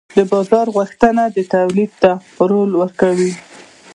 د بازار غوښتنه تولید ته لوری ورکوي.